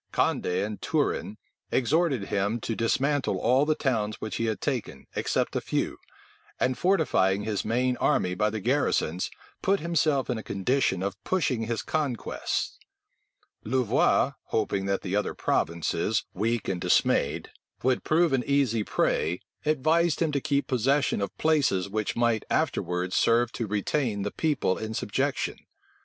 Condé and Turenne exhorted him to dismantle all the towns which he had taken, except a few; and fortifying his main army by the garrisons, put himself in a condition of pushing his conquests. Louvois, hoping that the other provinces, weak and dismayed, would prove an easy prey, advised him to keep possession of places which might afterwards serve to retain the people in subjection.